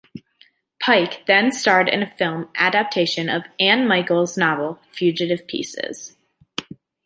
Pike then starred in the film adaptation of Anne Michaels's novel "Fugitive Pieces".